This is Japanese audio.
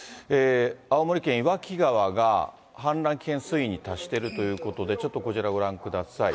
青森県岩木川が氾濫危険水位に達しているということで、ちょっとこちら、ご覧ください。